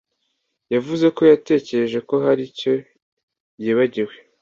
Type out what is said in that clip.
yavuze ko yatekereje ko hari icyo yibagiwe.